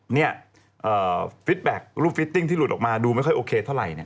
นี่รูปฟิตติ้งที่หลุดออกมาดูไม่ค่อยโอเคเท่าไร